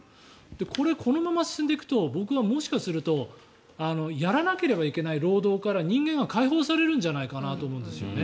これ、このまま進んでいくと僕は、もしかするとやらなければいけない労働から人間が解放されるんじゃないかと思うんですよね。